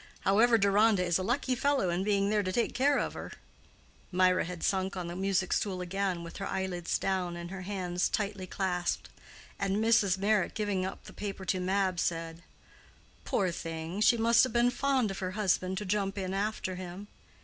However Deronda is a lucky fellow in being there to take care of her." Mirah had sunk on the music stool again, with her eyelids down and her hands tightly clasped; and Mrs. Meyrick, giving up the paper to Mab, said, "Poor thing! she must have been fond of her husband to jump in after him."